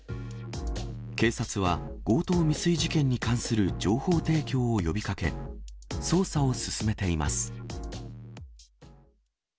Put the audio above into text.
警察は、強盗未遂事件に関する情報提供を呼びかけ、捜査を進めています。